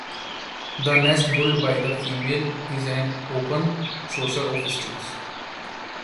The nest, built by the female, is an open saucer of sticks.